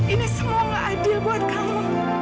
ini semua gak adil buat kamu